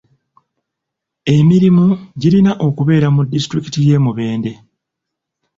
Emirimu girina okubeera mu Disitulikiti y'e Mubende.